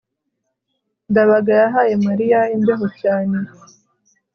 ndabaga yahaye mariya imbeho cyane